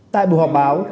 tại buổi họp báo